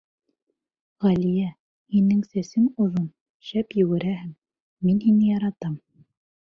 Ғәлиә, һинең сәсең оҙон, шәп йүгерәһең, мин һине яратам.